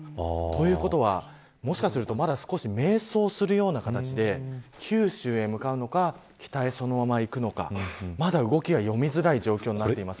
というと、もしかするとまだ少し迷走するような形で九州へ向かうのか北へそのまま行くのかまだ動きが読みづらい状況になっています。